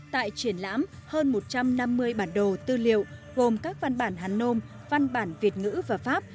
tại triển lãm hơn một trăm năm mươi bản đồ tư liệu gồm các văn bản hàn nôm văn bản việt ngữ và pháp